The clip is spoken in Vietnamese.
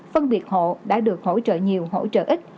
phân biệt hộ đã được hỗ trợ nhiều hỗ trợ ít